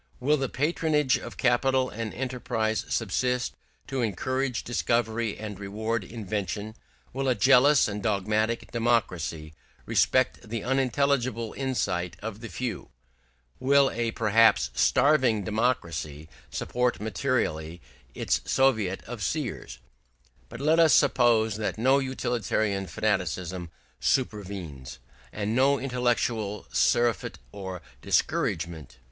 Will the patronage of capital and enterprise subsist, to encourage discovery and reward invention? Will a jealous and dogmatic democracy respect the unintelligible insight of the few? Will a perhaps starving democracy support materially its Soviet of seers? But let us suppose that no utilitarian fanaticism supervenes, and no intellectual surfeit or discouragement.